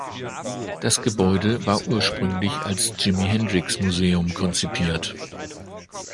Das Gebäude war ursprünglich als Jimi-Hendrix-Museum konzipiert.